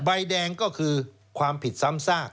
ใบแดงก็คือความผิดซ้ำซาก